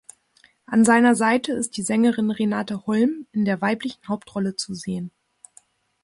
An seiner Seite ist die Sängerin Renate Holm in der weiblichen Hauptrolle zu sehen.